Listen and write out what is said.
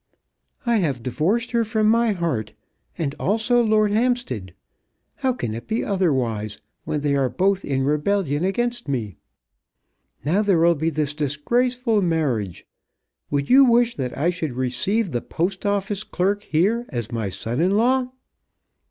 "I have divorced her from my heart; and also Lord Hampstead. How can it be otherwise, when they are both in rebellion against me? Now there will be this disgraceful marriage. Would you wish that I should receive the Post Office clerk here as my son in law?"